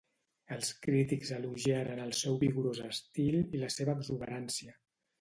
Els crítics elogiaren el seu vigorós estil i la seva exuberància.